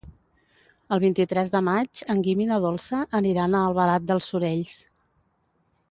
El vint-i-tres de maig en Guim i na Dolça aniran a Albalat dels Sorells.